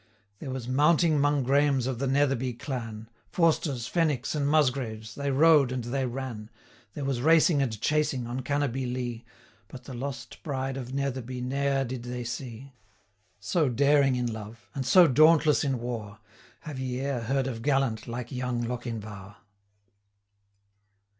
There was mounting 'mong Graemes of the Netherby clan; 355 Forsters, Fenwicks, and Musgraves, they rode and they ran: There was racing and chasing, on Cannobie Lee, But the lost bride of Netherby ne'er did they see. So daring in love, and so dauntless in war, Have ye e'er heard of gallant like young Lochinvar?